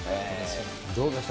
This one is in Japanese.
どうですか？